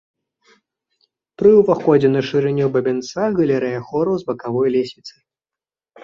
Пры ўваходзе на шырыню бабінца галерэя хораў з бакавой лесвіцай.